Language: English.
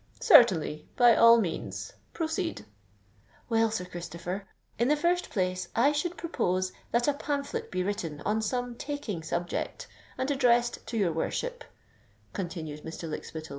"Certainly—by all means. Proceed." "Well, Sir Christopher, in the first place I should propose that a pamphlet be written on some taking subject, and addressed to your worship," continued Mr. Lykspittal.